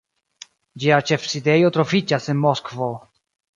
Ĝia ĉefsidejo troviĝas en Moskvo.